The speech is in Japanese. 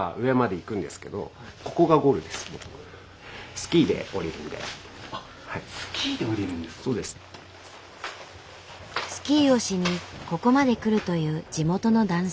スキーをしにここまで来るという地元の男性。